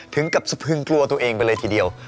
ถึงกับสะเพิงกลัวไปเลยทีเดียว